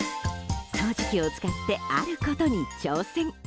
掃除機を使ってあることに挑戦。